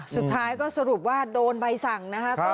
สุดท้ายก็สรุปว่าโดนใบสั่งนะคะ